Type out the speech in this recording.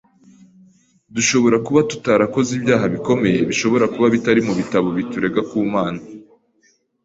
Dushobora kuba tutarakoze ibyaha bikomeye, bishobora kuba bitari mu bitabo biturega ku Mana;